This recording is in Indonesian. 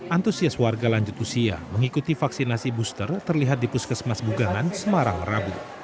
antusias warga lanjut usia mengikuti vaksinasi booster terlihat di puskesmas bugangan semarang rabu